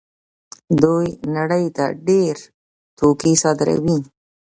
دوی نړۍ ته ډېر توکي صادروي.